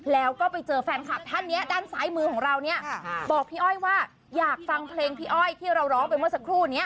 แล้วก็ไปเจอแฟนคลับท่านนี้ด้านซ้ายมือของเราเนี่ยบอกพี่อ้อยว่าอยากฟังเพลงพี่อ้อยที่เราร้องไปเมื่อสักครู่นี้